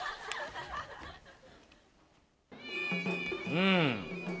うん。